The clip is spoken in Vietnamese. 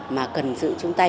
mà cần sự chung tay